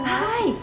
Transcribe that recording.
はい。